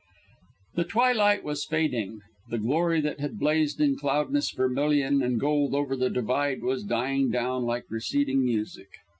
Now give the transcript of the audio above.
The twilight was fading; the glory that had blazed in cloudless vermilion and gold over the divide was dying down like receding music.